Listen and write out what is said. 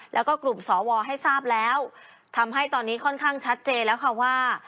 แล้วก็กลุ่มสวให้ทราบแล้วทำให้ตอนนี้ค่อนข้างชัดเจนแล้วค่ะว่า